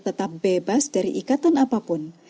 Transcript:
tetap bebas dari ikatan apapun